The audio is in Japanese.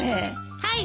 はい。